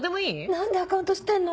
何でアカウント知ってんの？